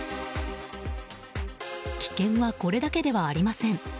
危険はこれだけではありません。